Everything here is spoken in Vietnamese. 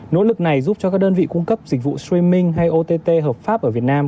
nỗ lực này giúp cho các đơn vị cung cấp dịch vụ streaming hay ott hợp pháp ở việt nam